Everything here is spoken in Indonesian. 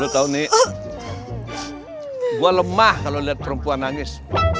lo tau nih gue lemah kalau liat perempuan nangis